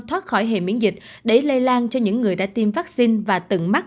thoát khỏi hệ miễn dịch để lây lan cho những người đã tiêm vaccine và từng mắc